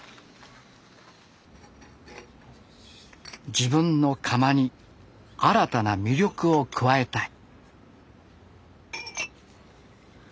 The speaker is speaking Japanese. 自分の窯に新たな魅力を加えたい。